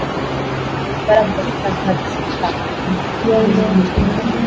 barakubita nkabyka